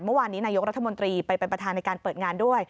เมื่อวานนี้นายกรัฐมนตรีไปเป็นประธานในการเปิดงานด้วย